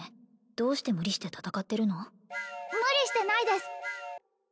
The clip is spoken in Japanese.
どうして無理して戦ってるの？無理してないです